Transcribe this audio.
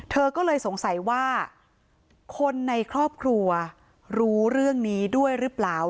เธอก็เลยสงสัยว่าคนในครอบครัวรู้เรื่องนี้ด้วยหรือเปล่า